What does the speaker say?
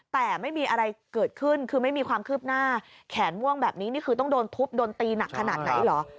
แต่ไม่มีอะไรเกิดขึ้นคือไม่มีความคืบหน้าแขนม่วงแบบนี้นี่คือต้องโดนทุบโดนตีหนักขนาดไหนเหรอ